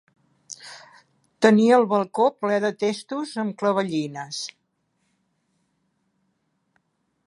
Tenia el balcó ple de testos amb clavellines.